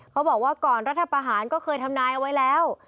เขาบอกว่าก่อนรัฐประหารก็เคยทำนายเอาไว้แล้ว